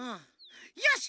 よし！